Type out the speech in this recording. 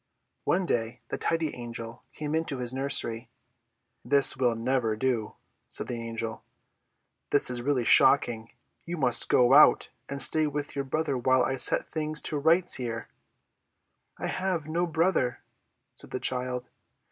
One day the Tidy Angel came into his nursery. "This will never do!" said the Angel. "This is really shocking. You must go out and stay with your brother while I set things to rights here." "I have no brother!" said the child.